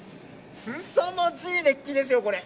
すさまじい熱気ですよ、これ。